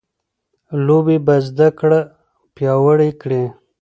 لوبې به زده کړه پیاوړې کړي.